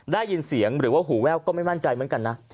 ได้ยินเสียงหรือว่าหูแว่วก็ไม่มั่นใจเหมือนกันนะ